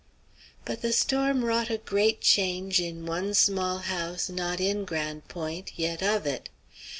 But the storm wrought a great change in one small house not in Grande Pointe, yet of it.